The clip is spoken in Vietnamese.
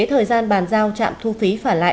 thời gian bàn giao trạm thu phí phản lại